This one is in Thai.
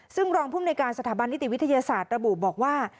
ซึ่งรองภูมิในการสถาบันนิติวิทยาศาสตร์ระบุบอกว่า